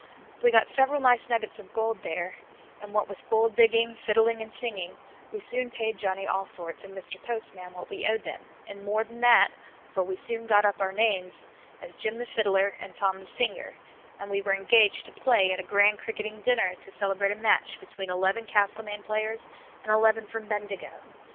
We got several nice nuggets of gold there; and what with gold digging, fiddling, and singing, we soon paid Johnny Allsorts and Mr. Postman what we owed them; and more than that, for we soon got our names up as Jim the Fiddler and Tom the Singer; and were engaged to play at a grand cricketing dinner, to celebrate a match between eleven Castlemaine players and eleven from Bendigo.